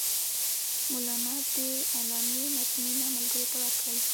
مولنا د اعلامیې متنونه ملګرو ته ورکړل.